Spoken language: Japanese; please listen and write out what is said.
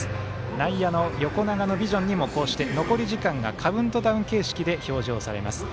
外野の横長のビジョンにも残り時間がカウントダウン形式で表示をされます。